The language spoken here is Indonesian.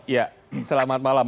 ya selamat malam